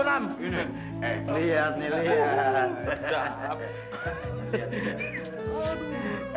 lihat nih lihat sedap